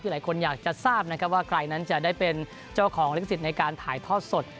หลายคนอยากจะทราบนะครับว่าใครนั้นจะได้เป็นเจ้าของลิขสิทธิ์ในการถ่ายทอดสด